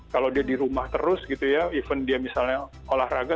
kalau dia di rumah terus gitu ya even dia misalnya olahraga